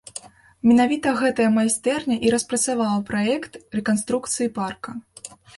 Менавіта гэтая майстэрня і распрацавала праект рэканструкцыі парка.